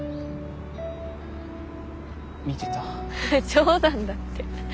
冗談だって。